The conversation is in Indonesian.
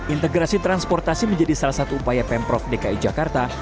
integrasi transportasi menjadi salah satu upaya pemprov dki jakarta